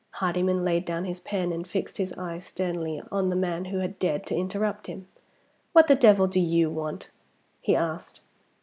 Hardyman laid down his pen, and fixed his eyes sternly on the man who had dared to interrupt him. "What the devil do you want?" he asked.